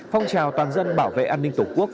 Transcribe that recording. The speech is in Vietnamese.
phong trào toàn dân bảo vệ an ninh tổ quốc